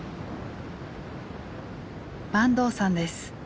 坂東さんです。